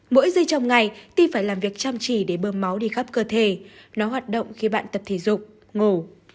mỗi giây trong ngày ti phải làm việc chăm chỉ để bơm máu đi khắp cơ thể nó hoạt động khi bạn tập thể dục ngủ